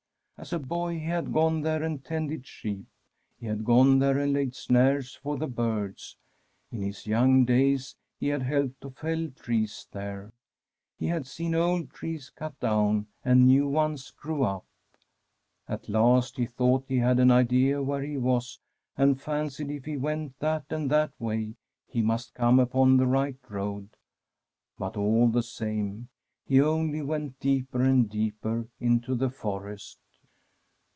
As a boy he had gone there and tended sheep. He had gone there and laid snares for the birds. In his young days he had helped to fell trees there. He had seen old trees cut down and new ones grow up. At last he thought he had an idea where he was, and fancied if he went that and that way he must come upon the right road ; but all the same, he only went deeper and deeper into the forest.